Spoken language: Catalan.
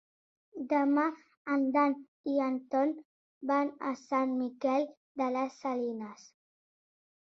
Demà en Dan i en Ton van a Sant Miquel de les Salines.